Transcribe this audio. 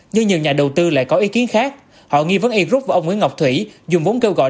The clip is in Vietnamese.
nhưng nhiều nhà đầu tư lại có ý kiến khác họ nghi vấn e group và ông nguyễn ngọc thủy dùng vốn kêu gọi